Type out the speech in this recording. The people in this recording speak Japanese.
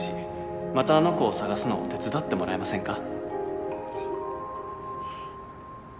「またあの子を探すのを手伝ってもらえませんか」